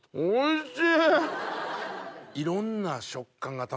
おいしい？